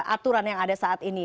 aturan yang ada saat ini